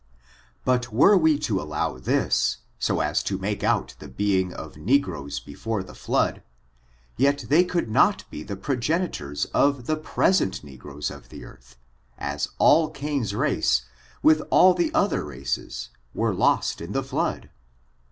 But were we to allow this, so as to make out the being of negroes before the flood, yet they could not be the progenitors of the present ne groes of the earth, as all Cain's race, with all the oth er races were lost in the flood.